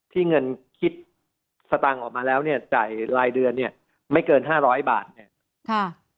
ที่เงินคิดสตรังออกมาแล้วจ่ายรายเดือนไม่เกิน๕๐๐บาท